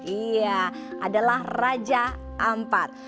ya adalah raja ampat